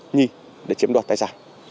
nhi để chiếm đoạt tài sản